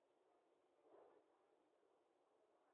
Cada una de ellas difunde un tema específico con acceso libre.